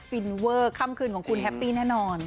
ฟินเวอร์ค่ำคืนของคุณแฮปปี้แน่นอน